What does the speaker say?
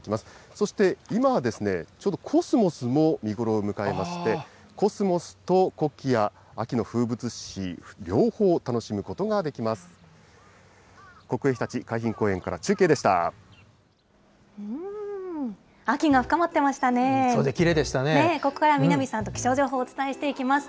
そして、今はちょうどコスモスも見頃を迎えまして、コスモスとコキア、秋の風物詩、両方、楽しむことができます。